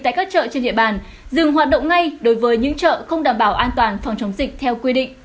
tại các chợ trên địa bàn dừng hoạt động ngay đối với những chợ không đảm bảo an toàn phòng chống dịch theo quy định